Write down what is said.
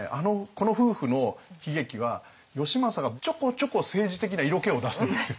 この夫婦の悲劇は義政がちょこちょこ政治的な色気を出すんですよ。